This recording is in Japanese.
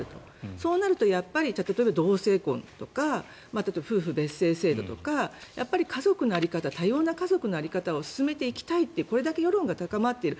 そうなると例えば同性婚とか夫婦別姓制度とか多様な家族の在り方を進めていきたいというこれだけ世論が高まっている。